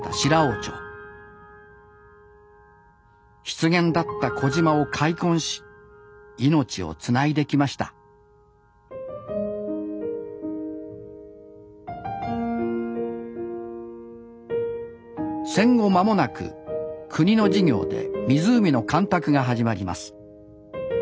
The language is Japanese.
湿原だった小島を開墾し命をつないできました戦後まもなく国の事業で湖の干拓が始まります